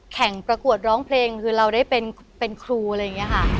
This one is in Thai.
แข่งประกวดร้องเพลงคือเราได้เป็นเป็นครูอะไรอย่างเงี้ยค่ะครับ